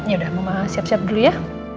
yaudah mama siap siap dulu ya